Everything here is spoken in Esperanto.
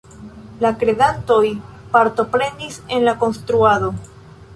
La kredantoj partoprenis en la konstruado.